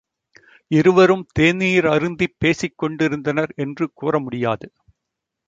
இருவரும் தேநீர் அருந்திப் பேசிக் கொண்டிருந்தனர் என்று கூற முடியாது.